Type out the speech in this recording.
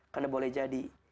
karena boleh jadi